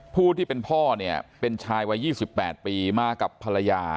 ผู้ที่เป็นพ่อเนี่ยเป็นชายวัย๒๘ปีมากับภรรยา